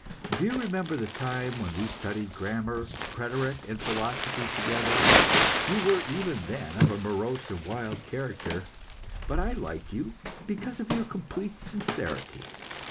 Do you remember the time when we studied grammar, rhetoric, and philosophy together? You were, even then, of a morose and wild character, but I liked you because of your complete sincerity.